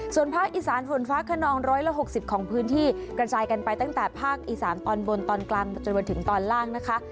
ส่วนภาคอีสานฝนฟ้าขนอง๑๖๐ของพื้นที่กระจายกันไปตั้งแต่ภาคอีสานตอนบนตอนกลางมาจนมาถึงตอนล่างนะคะ